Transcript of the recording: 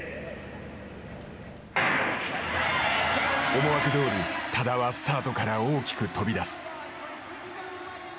思惑どおり多田はスタートから大きく飛び出す。